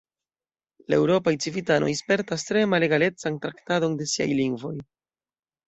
La eŭropaj civitanoj spertas tre malegalecan traktadon de siaj lingvoj.